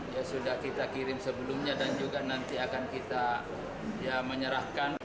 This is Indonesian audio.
ya sudah kita kirim sebelumnya dan juga nanti akan kita menyerahkan